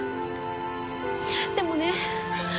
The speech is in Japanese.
でもね